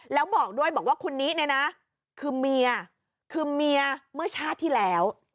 แล้วบอกด้วยบอกว่าคุณนิเนี่ยนะคือเมียคือเมียเมื่อชาติที่แล้ว